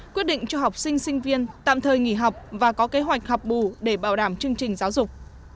quyết định cho học sinh sinh viên tạm thời nghỉ học và có kế hoạch học bù để bảo đảm chương trình giáo dục